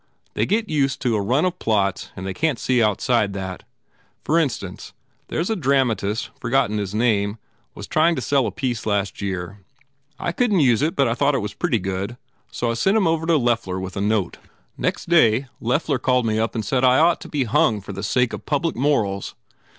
They get used to a run of plots and they can t see outside that. For instance, here s a dramatist forgotten his name was trying to sell a piece last year. I couldn t use it but I thought it was pretty good so I sent him over to Loeffler with a note. Next day, Loeffler called me up and said I ought to be hung for the sake of public morals.